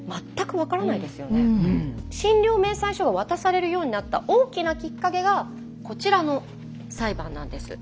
診療明細書が渡されるようになった大きなきっかけがこちらの裁判なんです。